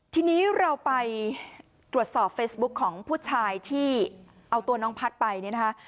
ทีนี้เราไปตรวจสอบเฟซบุ๊คของผู้ชายที่เอาตัวน้องพัฒน์ไปเนี่ยนะคะ